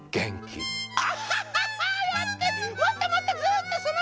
もっともっとずっとそのまま！